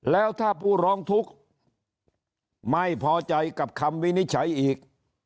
แล้วถ้าผู้ร้องทุกข์ไม่พอใจกับคำวินิจฉัยอีก